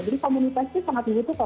jadi komunitas itu sangat dihubungkan